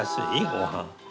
ごはん。